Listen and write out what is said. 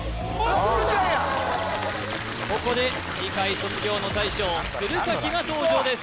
鶴ちゃんやここで次回卒業の大将鶴崎が登場です